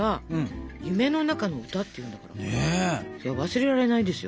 忘れられないですよ